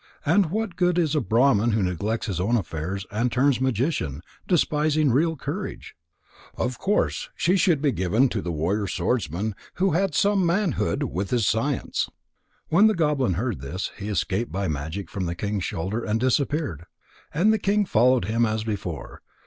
And what good is a Brahman who neglects his own affairs and turns magician, despising real courage? Of course she should be given to the warrior Swordsman who had some manhood with his science." When the goblin heard this, he escaped by magic from the king's shoulder, and disappeared. And the king followed him as before.